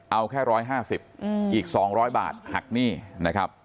เอาแค่ร้อยห้าสิบอืมอีกสองร้อยบาทหักหนี้นะครับ